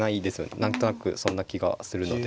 何となくそんな気がするので。